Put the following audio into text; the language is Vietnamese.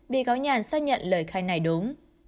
bị cáo nhàn xác nhận lời khai này đúng